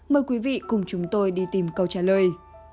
mời quý vị cùng chúng tôi đi tìm câu trả lời